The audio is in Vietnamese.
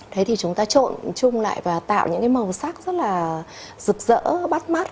thế thì chúng ta trộn chung lại và tạo những cái màu sắc rất là rực rỡ bắt mắt